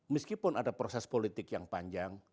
meskipun ada proses politik yang panjang